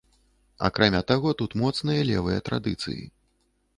Акрамя таго, тут моцныя левыя традыцыі.